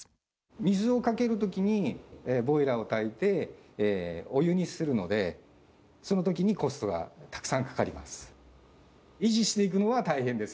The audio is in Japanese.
水をかけるときに、ボイラーをたいて、お湯にするので、そのときにコストがたくさんかかります。